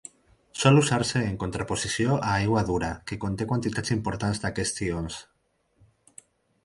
Sol usar-se en contraposició a aigua dura, que conté quantitats importants d'aquests ions.